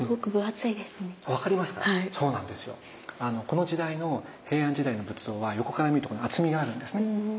この時代の平安時代の仏像は横から見ると厚みがあるんですね。